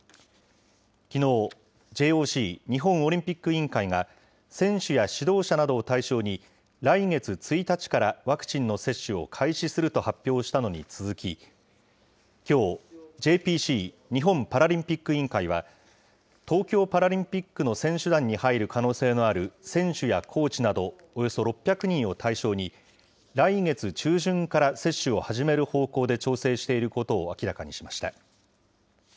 きのう、ＪＯＣ・日本オリンピック委員会が選手や指導者などを対象に、来月１日からワクチンの接種を開始すると発表したのに続き、きょう、ＪＰＣ・日本パラリンピック委員会は、東京パラリンピックの選手団に入る可能性のある選手やコーチなどおよそ６００人を対象に、来月中旬から接種を始める方向で調整していることを明らかにしました。